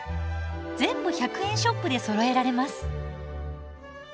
全部１００円ショップでそろえられます。